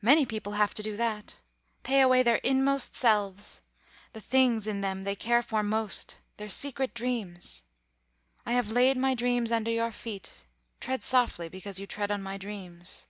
Many people have to do that; pay away their own inmost selves, the things in them they care for most, their secret dreams. 'I have laid my dreams under your feet. Tread softly, because you tread on my dreams.